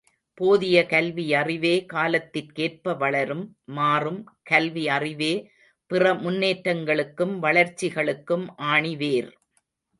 போதிய கல்வியறிவே காலத்திற்கேற்ப வளரும், மாறும், கல்வி அறிவே பிற முன்னேற்றங்களுக்கும் வளர்ச்சிகளுக்கும் ஆணி வேர்.